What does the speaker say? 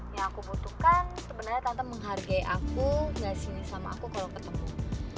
yang aku butuhkan sebenarnya tante menghargai aku gak sih sama aku kalau ketemu